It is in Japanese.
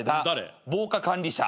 防火管理者。